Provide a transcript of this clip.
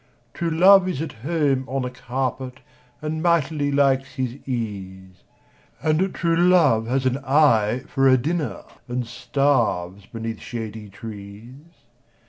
True love is at home on a carpet, And mightily likes his ease And true love has an eye for a dinner, And starves beneath shady trees.